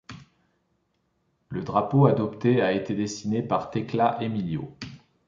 Le drapeau adopté a été dessiné par Tekla Emilio.